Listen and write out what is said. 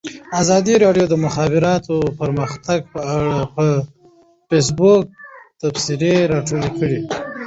ازادي راډیو د د مخابراتو پرمختګ په اړه د فیسبوک تبصرې راټولې کړي.